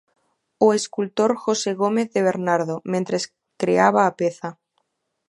O escultor José Gómez de Bernardo mentres creaba a peza.